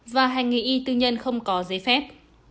và hành nghề y tư nhân không có giấy phép